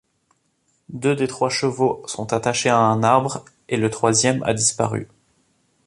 Deux des trois chevaux sont attachés à un arbre, et le troisième a disparu.